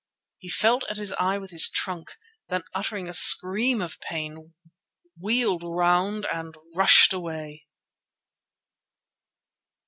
He felt at his eye with his trunk; then, uttering a scream of pain, wheeled round and rushed away.